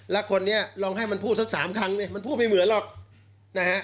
ละคนเนี่ยลองให้มันพูดสัก๓ครั้งมันพูดไม่เหมือนหรอกนะฮะ